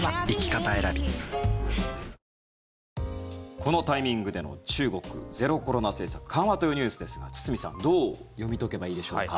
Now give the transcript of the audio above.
このタイミングでの中国、ゼロコロナ政策緩和というニュースですが堤さんどう読み解けばいいでしょうか？